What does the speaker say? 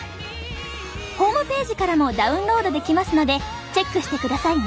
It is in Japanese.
ホームページからもダウンロードできますのでチェックしてくださいね。